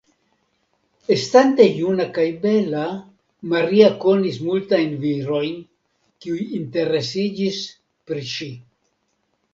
Estante juna kaj bela Maria konis multajn virojn kiuj interesiĝis pri ŝi.